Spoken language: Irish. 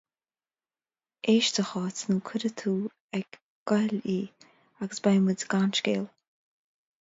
Éist, a Cháit, nó cuirfidh tú ag gol í, agus beimid gan scéal.